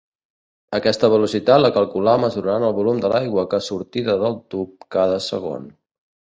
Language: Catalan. Aquesta velocitat la calculà mesurant el volum de l'aigua que sortida del tub cada segon.